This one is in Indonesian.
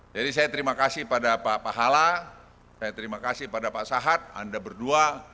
jadi saya terima kasih pada pak hala saya terima kasih pada pak sahat anda berdua